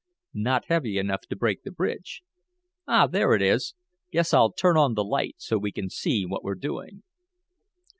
"Not heavy enough to break the bridge. Ah, there it is. Guess I'll turn on the light so we can see what we're doing."